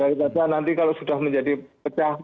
daripada nanti kalau sudah menjadi pecah